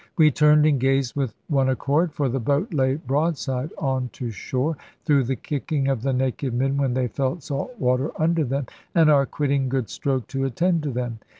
We turned and gazed with one accord, for the boat lay broadside on to shore, through the kicking of the naked men when they felt salt water under them, and our quitting good stroke to attend to them.